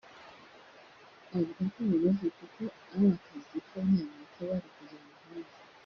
Avuga ko bibabaje ngo kuko ari akazi k’abanyamerika bari kujyana ahandi